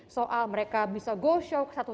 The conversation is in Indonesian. soal mereka bisa go show ke satu